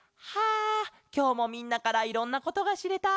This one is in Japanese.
あきょうもみんなからいろんなことがしれた。